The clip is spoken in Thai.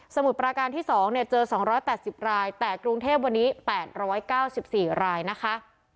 สมุดปราการที่สองเนี่ยเจอสองร้อยแปดสิบรายแต่กรุงเทพวันนี้แปดร้อยเก้าสิบสี่รายนะคะ